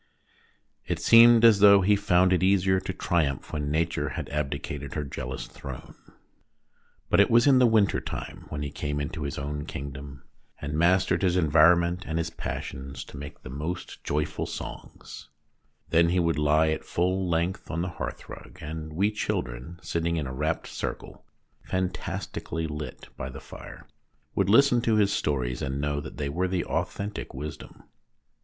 It seemed as though he found it easier to triumph when Nature had abdicated her jealous throne. But it was in the winter time when he came into his own kingdom, and mastered his en vironment and his passions to make the most 26 THE DAY BEFORE YESTERDAY joyful songs. Then he would lie at full length on the hearthrug, and we children, sitting in a rapt circle, fantastically lit by the fire, would listen to his stories, and know that they were the authentic wisdom.